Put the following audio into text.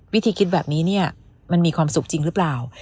วิธีคิดแบบนี้เนี่ยมันมีความสุขจริงหรือเปล่า